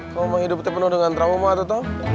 kamu mah hidupnya penuh dengan trauma toh toh